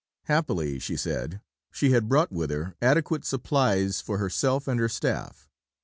Happily, she said, she had brought with her adequate supplies for herself and her staff.